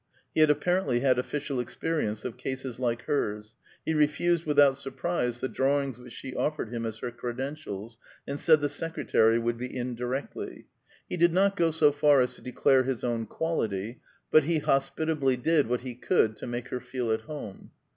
He had apparently had official experience of cases like hers; he refused without surprise the drawings which she offered him as her credentials, and said the secretary would be in directly. He did not go so far as to declare his own quality, but he hospitably did what he could to make her feel at home.